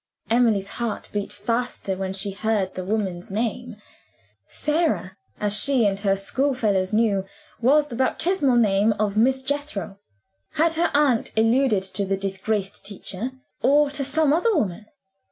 Emily's heart beat fast when she heard the woman's name. "Sara" (as she and her school fellows knew) was the baptismal name of Miss Jethro. Had her aunt alluded to the disgraced teacher, or to some other woman?